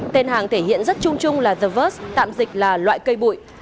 tên hàng thể hiện rất chung chung là the vớt tạm dịch là loại cây bụi